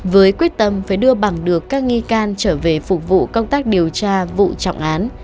với quyết tâm phải đưa bằng được các nghi can trở về phục vụ công tác điều tra vụ trọng án